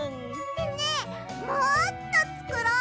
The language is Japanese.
ねえもっとつくろう！